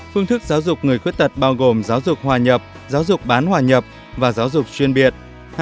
một phương thức giáo dục người khuyết tật bao gồm giáo dục hòa nhập giáo dục bán hòa nhập và giáo dục chuyên biệt